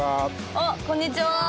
あこんにちは。